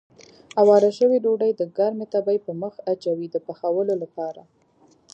اواره شوې ډوډۍ د ګرمې تبۍ پر مخ اچوي د پخولو لپاره.